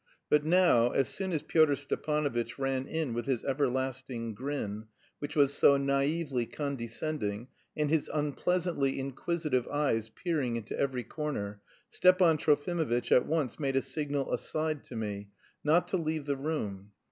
But now, as soon as Pyotr Stepanovitch ran in with his everlasting grin, which was so naïvely condescending, and his unpleasantly inquisitive eyes peering into every corner, Stepan Trofimovitch at once made a signal aside to me, not to leave the room.